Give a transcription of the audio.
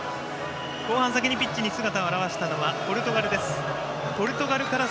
後半、先にピッチに姿を現したのはポルトガルです。